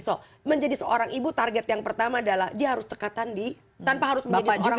so menjadi seorang ibu target yang pertama adalah dia harus cekat tandi tanpa harus menjadi seorang tukang rasa